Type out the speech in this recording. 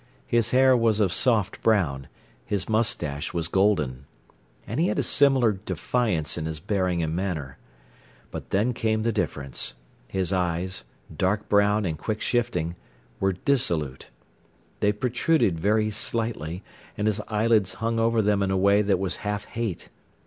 His hair was of soft brown, his moustache was golden. And he had a similar defiance in his bearing and manner. But then came the difference. His eyes, dark brown and quick shifting, were dissolute. They protruded very slightly, and his eyelids hung over them in a way that was half hate.